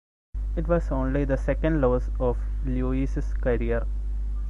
It was only the second loss of Lewis' career.